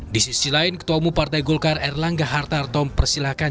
di sisi lain ketua umum partai golkar erlangga hartarto mempersilahkan